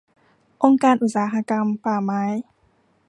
องค์การอุตสาหกรรมป่าไม้